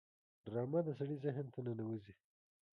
ډرامه د سړي ذهن ته ننوزي